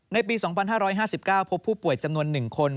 ในปี๒๕๕๙พบผู้ป่วยจำนวน๑คน